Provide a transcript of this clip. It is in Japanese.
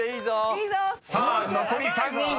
［さあ残り３人。